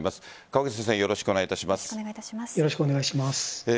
川口先生、よろしくお願いします。